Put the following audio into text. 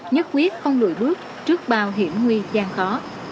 nhất quyết không lùi bước trước bao hiểm nguy gian khó